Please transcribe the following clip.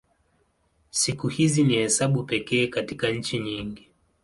Siku hizi ni hesabu pekee katika nchi nyingi.